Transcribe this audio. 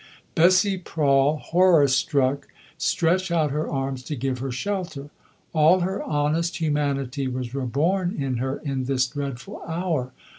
Bessie Prawle, horror struck, stretched out her arms to give her shelter. All her honest humanity was reborn in her in this dreadful hour.